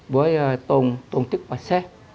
với tôn chức và sết